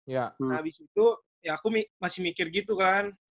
habis itu ya aku masih mikir gitu kan